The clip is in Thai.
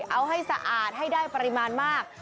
เอาให้สะอาดให้ได้ปริมาณมาก